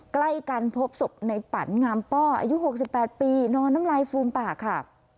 ใกล้กันพบศพในปันงามป้ออายุ๖๘ปีนอนน้ำลายฟูมปากค่ะ